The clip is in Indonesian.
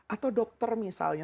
atau dokter misalnya